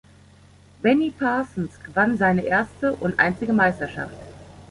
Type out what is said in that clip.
Benny Parsons gewann seine erste und einzige Meisterschaft.